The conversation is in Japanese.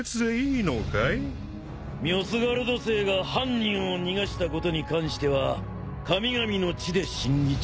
ミョスガルド聖が犯人を逃がしたことに関しては神々の地で審議中。